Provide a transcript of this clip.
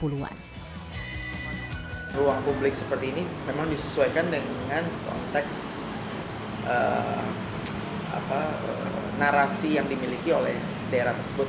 ruang publik seperti ini memang disesuaikan dengan konteks narasi yang dimiliki oleh daerah tersebut